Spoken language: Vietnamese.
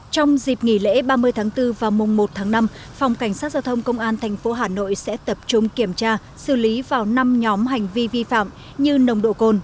trong dịp nghỉ lễ ba mươi tháng bốn và mùng một tháng năm phòng cảnh sát giao thông công an tp hà nội sẽ tập trung kiểm tra xử lý vào năm nhóm hành vi vi phạm như nồng độ cồn